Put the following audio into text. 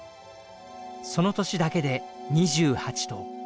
その年だけで２８頭